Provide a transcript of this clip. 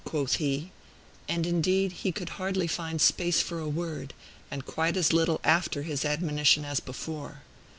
quoth he; and, indeed, he could hardly find space for a word, and quite as little after his admonition as before.